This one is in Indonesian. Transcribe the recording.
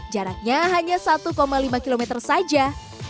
jaraknya hanya satu lima km saja